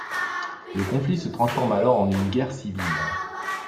Le conflit se transforme alors en une guerre civile.